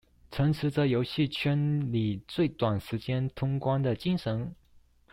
秉持著遊戲圈裡最短時間通關的精神